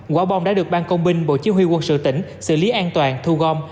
quả bom đã được ban công binh bộ chỉ huy quân sự tỉnh xử lý an toàn thu gom